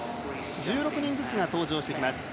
１６人ずつが登場していきます。